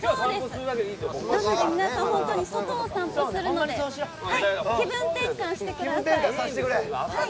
なので皆さん、外を散歩するので気分転換してください。